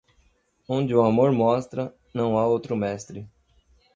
Onde o amor mostra, não há outro mestre.